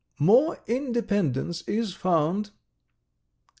... More independence is found